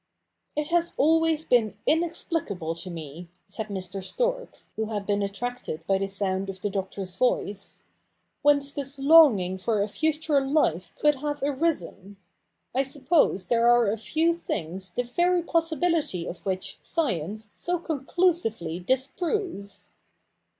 ., UW' 'It has al\vc|ft ,tj€i^ inexplicable to me,' said ^Ir. Storks, who hafebp ^ attracted by tl^e sound of the Doctor's voice,^'d<^, ence this longing for a future life could have ari^ies^U^j.J^f^uppose there are few things the very possibility QCw^ ich science so conclusively disproves.'